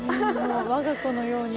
我が子のように。